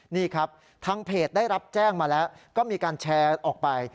นี่ครับทางเพจได้รับแจ้งมาแล้วก็มีการแชร์ออกไป